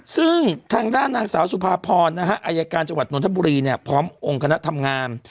ซึ่งทางด้านนักสาวสุภพรอายการจัวรรย์นวลทะปดีพร้อมองค์คณะทำงาน